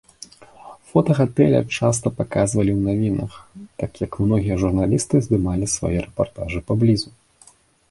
Фота гатэля часта паказвалі ў навінах, так як многія журналісты здымалі свае рэпартажы паблізу.